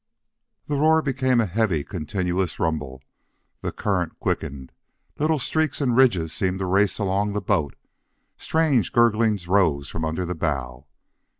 The roar became a heavy, continuous rumble; the current quickened; little streaks and ridges seemed to race along the boat; strange gurglings rose from under the bow.